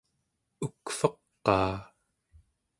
ukveqaa